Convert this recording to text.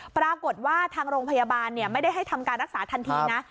ปรากฏว่าทางโรงพยาบาลไม่ได้ให้ทำการรักษาทันทีนะ